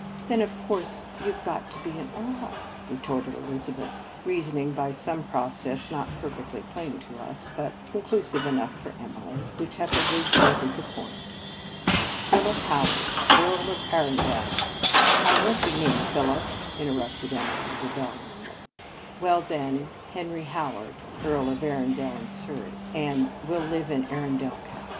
Then, of course, you ve got to be an earl," retorted Elizabeth; reason ing by some process, not perfectly plain to us, but conclusive enough for Emily, who tepidly yielded the point. " Philip Howard, Earl of Arun del" " I won t be named Philip," inter rupted Emily rebelliously. " Well, then, Henry Howard, Earl of Arundel and Surrey, and we ll live in Arundel Castle."